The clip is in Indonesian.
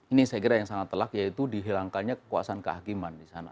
ini saya kira yang sangat telak yaitu dihilangkannya kekuasaan kehakiman di sana